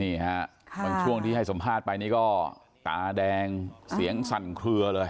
บางช่วงที่ให้สัมภาษณ์ไปนี่ก็ตาแดงเสียงสั่นเคลือเลย